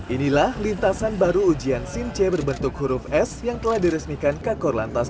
inilah lintasan baru ujian simc berbentuk huruf s yang telah diresmikan kakor lantas